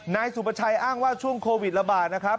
นายสุประชัยอ้างว่าช่วงโควิดระบาดนะครับ